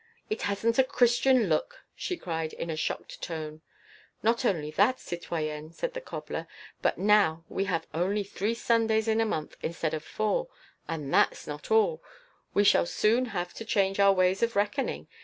"It hasn't a Christian look!" she cried in a shocked tone. "Not only that, citoyenne," said the cobbler, "but now we have only three Sundays in the month instead of four. And that's not all; we shall soon have to change our ways of reckoning.